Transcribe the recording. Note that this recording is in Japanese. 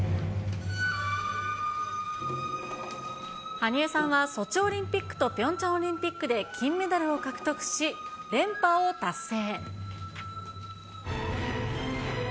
羽生さんはソチオリンピックとピョンチャンオリンピックで金メダルを獲得し、連覇を達成。